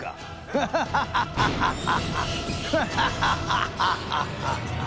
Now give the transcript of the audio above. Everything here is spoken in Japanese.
フハハハハハハ！